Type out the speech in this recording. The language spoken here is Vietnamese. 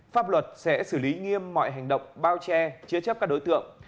pháp luật sẽ xử lý nghiêm mọi hành động bao che chứa chấp các đối tượng